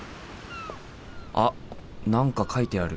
あっ何か書いてある。